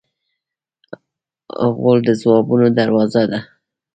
غول د ځوابونو دروازه ده.